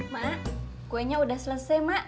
ma kuenya udah selesai ma